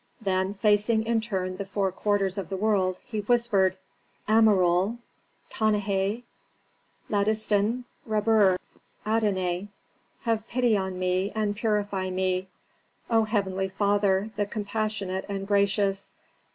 Then facing in turn the four quarters of the world, he whispered, "Amorul, Taneha, Latisten, Rabur, Adonai have pity on me and purify me, O heavenly Father, the compassionate and gracious.